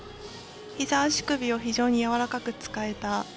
ひざ足首を非常にやわらかく使えた。